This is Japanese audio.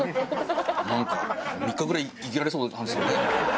なんか３日ぐらい生きられそうな感じするね。